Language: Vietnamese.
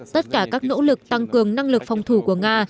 tất cả các nỗ lực tăng cường năng lực phòng thủ của nga